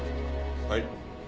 はい？